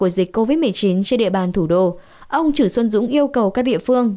dịch covid một mươi chín trên địa bàn thủ đô ông chử xuân dũng yêu cầu các địa phương